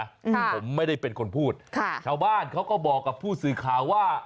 อืมผมไม่ได้เป็นคนพูดค่ะชาวบ้านเขาก็บอกกับผู้สื่อข่าวว่า